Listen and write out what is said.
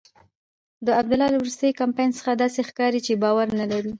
د عبدالله له وروستي کمپاین څخه داسې ښکاري چې باور نلري.